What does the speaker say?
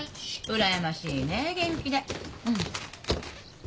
うらやましいね元気で。